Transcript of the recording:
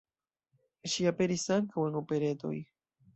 Ŝi aperis ankaŭ en operetoj.